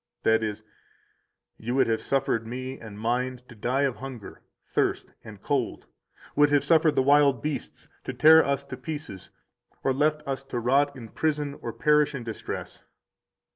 That is: You would have suffered Me and Mine to die of hunger, thirst, and cold, would have suffered the wild beasts to tear us to pieces, or left us to rot in prison or perish in distress.